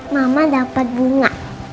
mama dapet bunga